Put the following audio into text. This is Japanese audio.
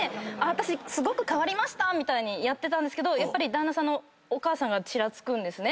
私すごく変わりましたみたいにやってたんですけどやっぱり旦那さんのお義母さんがチラつくんです。